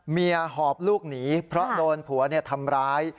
หอบลูกหนีเพราะโดนผัวทำร้าย